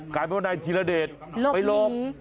กลายเป็นว่านายธีรเดชไปหลบ